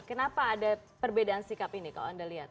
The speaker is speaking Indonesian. kenapa ada perbedaan sikap ini kalau anda lihat